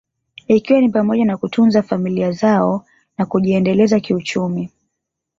ikiwa ni pamoja na kutunza familia zao na kujiendeleza kiuchumi